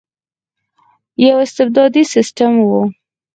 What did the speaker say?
یو استبدادي سسټم وو.